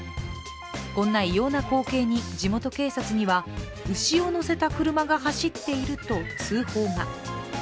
こんな異様な光景に地元警察には、牛を乗せた車が走っていると通報が。